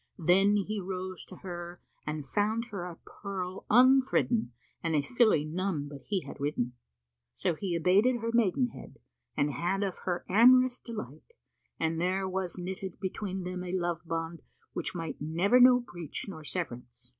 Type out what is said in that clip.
Then he rose to her and found her a pearl unthridden and a filly none but he had ridden. So he abated her maidenhead and had of her amorous delight and there was knitted between them a love bond which might never know breach nor severance.